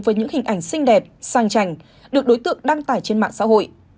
với những hình ảnh xinh đẹp sang trành được đối tượng đăng tải trên mạng xã hội